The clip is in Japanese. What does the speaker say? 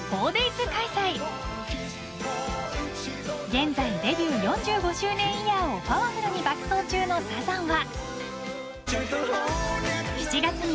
［現在デビュー４５周年イヤーをパワフルに爆走中のサザンは］